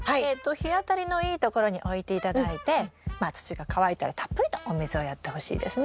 日当たりのいいところに置いて頂いて土が乾いたらたっぷりとお水をやってほしいですね。